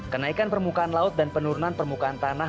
kenaikan permukaan laut dan penurunan permukaan tanah